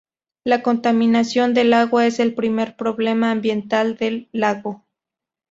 La contaminación del agua es el primer problema ambiental del lago.